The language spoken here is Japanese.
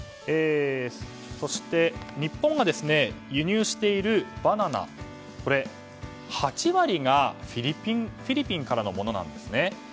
そして日本が輸入しているバナナ８割がフィリピンからのものです。